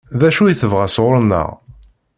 D acu i tebɣa sɣur-neɣ?